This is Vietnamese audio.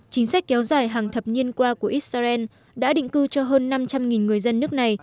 chính sách kéo dài hàng thập niên qua của israel đã định cư cho hơn năm trăm linh người dân nước này